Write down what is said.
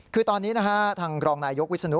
คือตอนนี้นะฮะทางรองนายยกวิศนุ